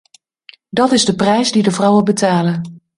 Dat is de prijs die de vrouwen betalen.